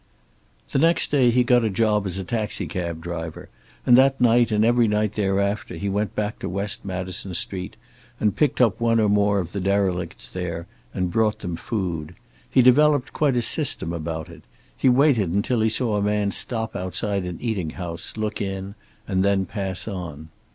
The next day he got a job as a taxicab driver, and that night and every night thereafter he went back to West Madison Street and picked up one or more of the derelicts there and bought them food. He developed quite a system about it. He waited until he saw a man stop outside an eating house look in and then pass on.